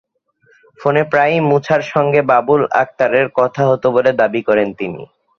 ফোনে প্রায়ই মুছার সঙ্গে বাবুল আক্তারের কথা হতো বলে দাবি করেন তিনি।